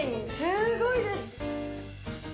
すごいです。